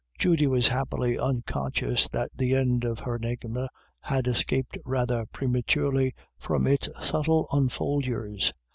Judy was happily unconscious that the end of her enigma had escaped rather prematurely from its subtle enfoldures.